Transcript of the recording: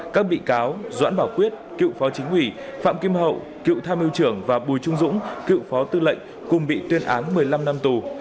các bị cáo doãn bảo quyết cựu phó chính ủy phạm kim hậu cựu tham mưu trưởng và bùi trung dũng cựu phó tư lệnh cùng bị tuyên án một mươi năm năm tù